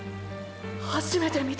初めて見た。